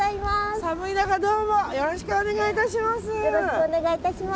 寒い中、どうもよろしくお願いいたします。